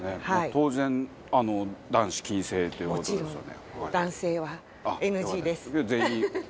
当然男子禁制っていう事ですよね。